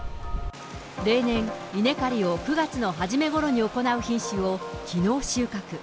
例年、稲刈りを９月の初めごろに行う品種を、きのう収穫。